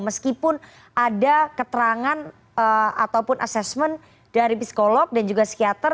meskipun ada keterangan ataupun asesmen dari psikolog dan juga psikiater